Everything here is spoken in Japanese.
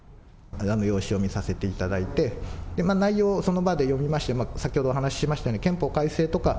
用紙を見させていただいて、内容をその場で読みまして、先ほどお話しましたように、憲法改正とか、